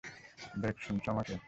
Bake, শুনছ আমাকে?